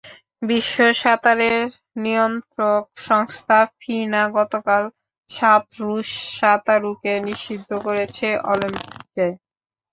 বিশ্ব সাঁতারের নিয়ন্ত্রক সংস্থা ফিনা গতকাল সাত রুশ সাঁতারুকে নিষিদ্ধ করেছে অলিম্পিকে।